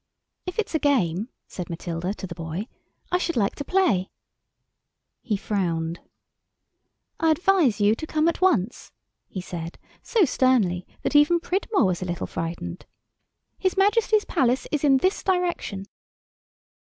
"If it's a game," said Matilda to the boy, "I should like to play." He frowned. "I advise you to come at once," he said, so sternly that even Pridmore was a little frightened. "His Majesty's Palace is in this direction."